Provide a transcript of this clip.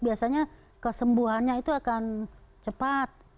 biasanya kesembuhannya itu akan cepat